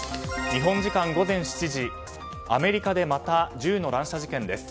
日本時間午前７時アメリカでまた銃の乱射事件です。